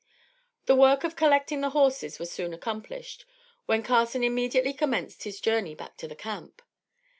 The work of collecting the horses was soon accomplished, when Carson immediately commenced his journey back to the camp.